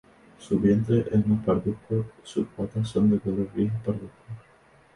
Su vientre es más parduzco y sus patas son de color gris parduzco.